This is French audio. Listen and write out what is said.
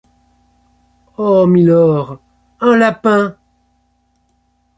Oh ! mylord ! un lapin !